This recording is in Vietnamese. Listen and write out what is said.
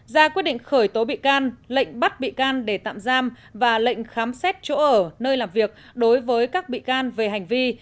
ra quyết định khởi tố bị can lệnh bắt bị can để tạm giam và lệnh khám xét chỗ ở nơi làm việc đối với các bị can về hành vi